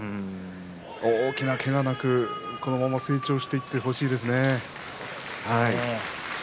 大きなけがなく成長していってほしいですね。